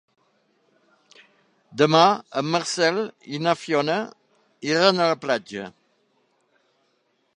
Demà en Marcel i na Fiona iran a la platja.